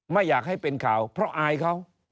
ไม่อยากให้เป็นข่าวเพราะอายเขา